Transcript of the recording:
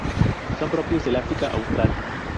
Son propios del África Austral.